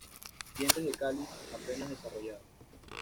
Dientes del cáliz apenas desarrollados.